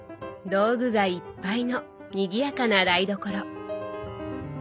道具がいっぱいのにぎやかな台所。